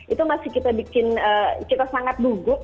itu masih kita bikin kita sangat gugup